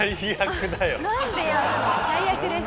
最悪です。